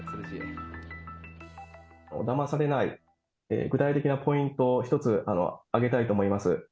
だまされない、具体的なポイントを１つ挙げたいと思います。